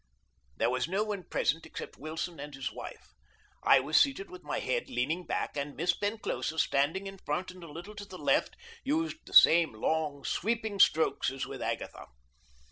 There was no one present except Wilson and his wife. I was seated with my head leaning back, and Miss Penclosa, standing in front and a little to the left, used the same long, sweeping strokes as with Agatha.